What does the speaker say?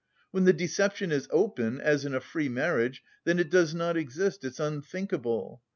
When the deception is open, as in a free marriage, then it does not exist, it's unthinkable.